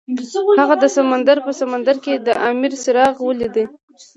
هغه د سمندر په سمندر کې د امید څراغ ولید.